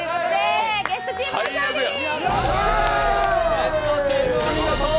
ゲストチームの勝利です。